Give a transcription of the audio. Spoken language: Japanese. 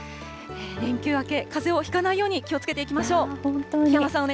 連休明け、かぜをひかないように気をつけていきましょう。